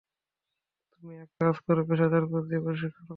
তুমি এক কাজ করো পেশাদার কোচ দিয়ে প্রশিক্ষণ করাও।